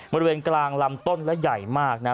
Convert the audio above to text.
บริเวณกลางลำต้นและใหญ่มากนะ